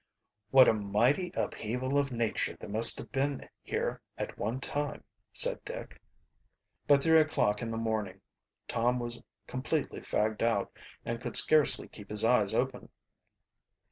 "What a mighty upheaval of nature there must have been here at one time," said Dick. By three o'clock in the morning Tom was completely fagged out and could scarcely keep his eyes open.